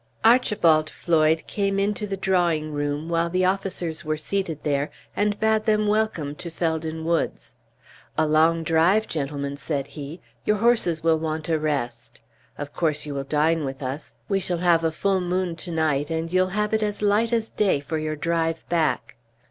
Archibald Floyd came into the drawing room while the officers were seated there, and bade them welcome to Felden Woods. "A long drive, gentlemen," said he; "your horses will want a rest. Of course you will dine with us. We shall have a full moon tonight, and you'll have it as light as day for your drive back."